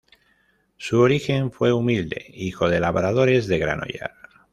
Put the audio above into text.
Su origen fue humilde, hijo de labradores de Granollers.